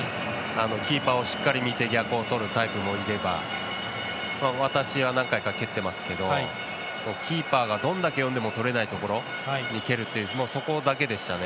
キーパーをしっかり見て逆をとるタイプもいれば私は何回かとっていますけどキーパーがどれだけ読んでもとれないところに蹴るかそこだけでしたね。